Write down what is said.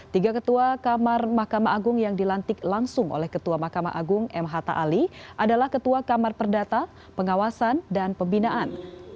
tiga ketua kamar mahkamah agung yang dilantik langsung oleh ketua mahkamah agung mh tali adalah ketua kamar perdata pengawasan dan pembinaan